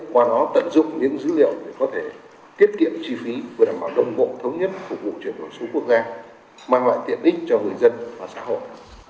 qua nó tận dụng những dữ liệu để có thể tiết kiệm chi phí vừa đảm bảo đồng bộ thống nhất phục vụ truyền thống số quốc gia mang lại tiện ích cho người dân và xã hội